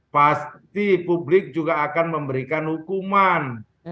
pasti publik juga akan memberikan hukuman